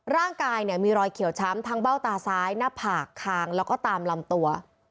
ร่างกายเนี่ยมีรอยเขียวช้ำทั้งเบ้าตาซ้ายหน้าผากคางแล้วก็ตามลำตัว